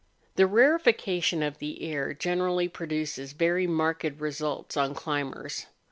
The rarefaction of the air generally produces very marked results on climbers.